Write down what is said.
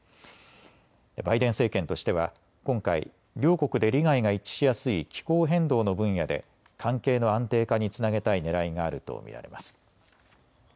バイデン政権としては今回、両国で利害が一致しやすい気候変動の分野で関係の安定化につなげたいねらいがあると見られます。